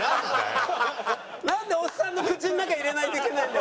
なんでおっさんの口の中入れないといけないんだよ